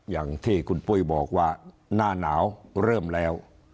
อย่างที่คุณปุ้ยบอกว่าหน้าหนาวเริ่มแล้ว